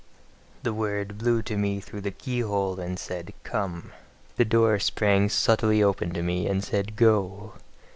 The word blew to me through the keyhole and said "Come!" The door sprang subtlely open unto me, and said "Go!"